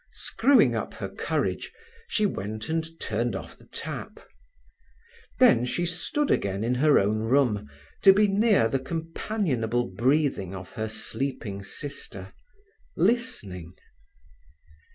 Screwing up her courage, she went and turned off the tap. Then she stood again in her own room, to be near the companionable breathing of her sleeping sister, listening.